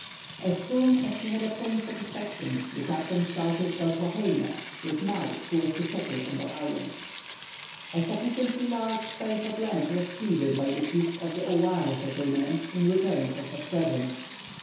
As soon as he had obtained satisfaction the captain started for Huaheine with Mai who was to settle on that island. A sufficiently large space of land was ceded by the chiefs of the Ouare settlement in return for such presents.